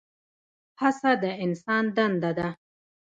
هڅه د انسان دنده ده؟